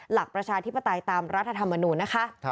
ประชาธิปไตยตามรัฐธรรมนูญนะคะ